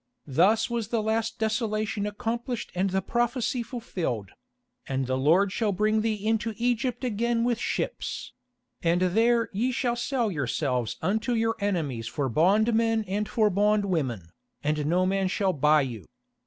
Thus was the last desolation accomplished and the prophecy fulfilled: "And the Lord shall bring thee into Egypt again with ships ... and there ye shall sell yourselves unto your enemies for bondmen and for bondwomen, and no man shall buy you."